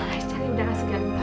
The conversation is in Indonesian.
ay cari udara segar